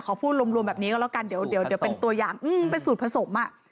พูดรวมแบบนี้ก็แล้วกันเดี๋ยวเป็นตัวอย่างเป็นสูตรผสมอ่ะ